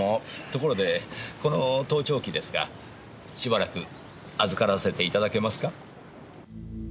ところでこの盗聴器ですがしばらく預からせていただけますか？